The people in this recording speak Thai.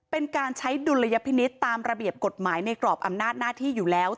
เป็นการใช้ดุลยพินิษฐ์ตามระเบียบกฎหมายในกรอบอำนาจหน้าที่อยู่แล้ว